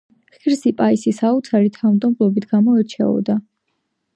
ღირსი პაისი საოცარი თავმდაბლობით გამოირჩეოდა.